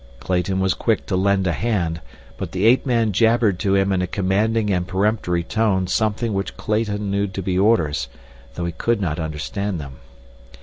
Clayton was quick to lend a hand, but the ape man jabbered to him in a commanding and peremptory tone something which Clayton knew to be orders, though he could not understand them.